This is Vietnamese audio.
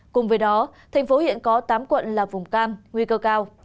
cùng với đó thành phố hiện có tám quận là vùng cam nguy cơ cao